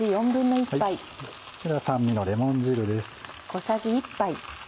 こちらが酸味のレモン汁です。